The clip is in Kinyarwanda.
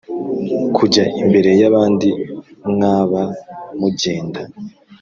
kujya imbere y’abandi mwaba mujyenda